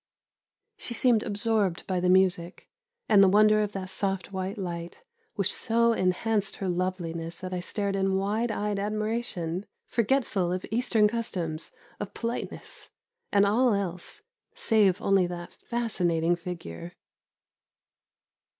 She seemed absorbed by the music, and the wonder of that soft white light, which so enhanced her loveliness that I stared in wide eyed admiration, forgetful of Eastern customs, of politeness, and all else, save only that fascinating figure.